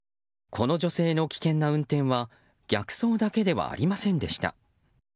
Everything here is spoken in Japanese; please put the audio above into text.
この女性の危険な運転は逆走だけではありませんでした。